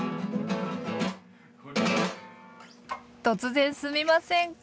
突然すみません